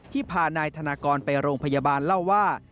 ที่พานายธนากรไปโรงพยาบาลกูลว่า